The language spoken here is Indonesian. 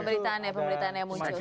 pemberitaannya pemberitaannya muncul